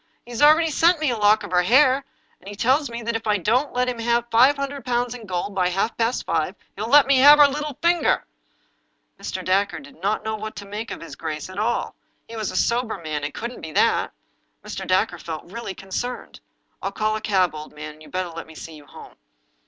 He's already sent me a lock of her hair, and he tells me that if I don't let him have five hundred pounds in gold by half past five he'll let me have her little finger." Mr. Dacre did not know what to make of his grace at all. He was a sober man — it couldn't be that ! Mr. Dacre felt really concerned. " I'll call a cab, old man, and you'd better let me see you home."